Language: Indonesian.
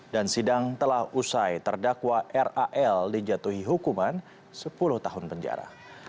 dan sidang telah usai terdakwa ral dijatuhi hukuman sepuluh tahun penjara